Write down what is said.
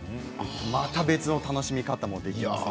また別の楽しみ方ができます。